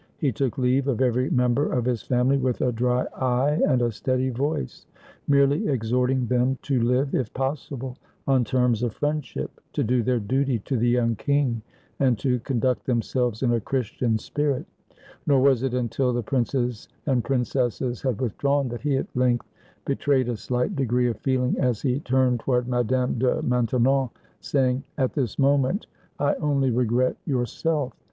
He took leave of every member of his family with a dry eye and a steady voice, merely exhorting them to live, if possible, on terms of friendship, to do their duty to the young king, and to conduct themselves in a Chris tian spirit; nor was it until the princes and princesses had withdrawn that he at length betrayed a slight de 273 FRANCE gree of feeling as he turned toward Madame de Main tenon, saying, — "At this moment I only regret yourself.